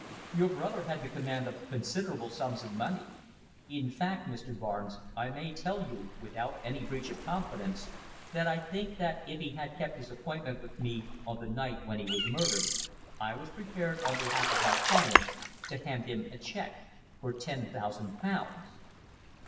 Your brother had the command of considerable sums of money. In fact, Mr. Barnes, I may tell you, without any breach of confidence, I think that if he had kept his appointment with me on the night when he was murdered, I was prepared, on behalf of my client, to hand him a cheque for ten thousand pounds!"